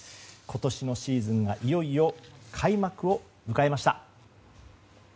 今年のシーズンがいよいよ開幕を迎えました。